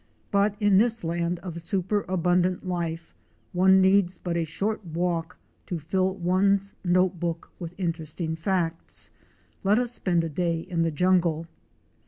But in this land of superabundant life, one needs but a short walk to fill one's note book with interesting facts. Let us spend a day in the jungle.